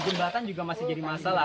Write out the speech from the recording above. jembatan juga masih jadi masalah